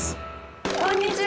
こんにちは！